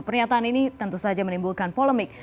pernyataan ini tentu saja menimbulkan polemik